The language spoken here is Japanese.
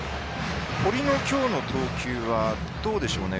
堀のきょうの投球はどうでしょうね。